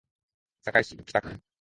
堺市北区